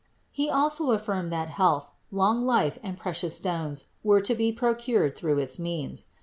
He also af firmed that health, long life and precious stones were to be procured through its means.